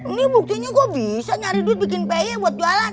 ini buktinya kok bisa nyari duit bikin peye buat jualan